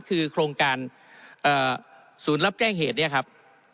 คือโครงการศูนย์รับแจ้งเหตุเนี่ยครับ